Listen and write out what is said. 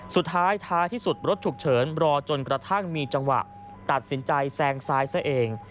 ท้ายที่สุดรถฉุกเฉินรอจนกระทั่งมีจังหวะตัดสินใจแซงซ้ายซะเอง